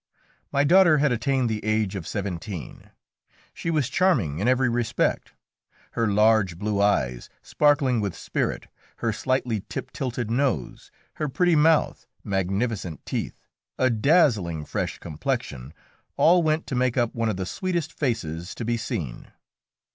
My daughter had attained the age of seventeen. She was charming in every respect. Her large blue eyes, sparkling with spirit, her slightly tip tilted nose, her pretty mouth, magnificent teeth, a dazzling fresh complexion all went to make up one of the sweetest faces to be seen.